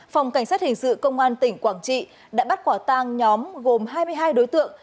phòng cảnh sát hình sự công an tỉnh quảng trị đã bắt quả tang nhóm gồm hai mươi hai đối tượng